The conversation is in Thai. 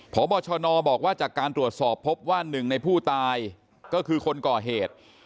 พบชนบอกว่าจากการตรวจสอบพบว่าหนึ่งในผู้ตายก็คือคนก่อเหตุ